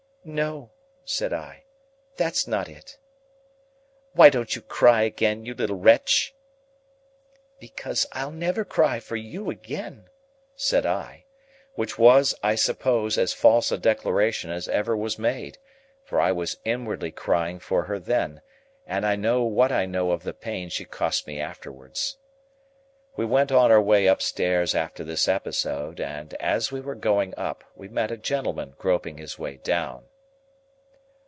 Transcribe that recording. "No," said I, "that's not it." "Why don't you cry again, you little wretch?" "Because I'll never cry for you again," said I. Which was, I suppose, as false a declaration as ever was made; for I was inwardly crying for her then, and I know what I know of the pain she cost me afterwards. We went on our way upstairs after this episode; and, as we were going up, we met a gentleman groping his way down.